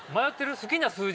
好きな数字。